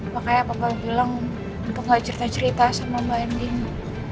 makanya bapak bilang untuk gak cerita cerita sama mbak ending